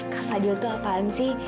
kak fadil tuh ngapain sih